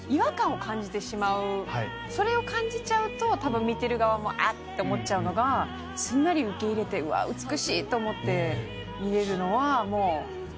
それを感じちゃうとたぶん見てる側も「あっ」と思っちゃうのがすんなり受け入れて美しいと思って見られるのは腕ですよね。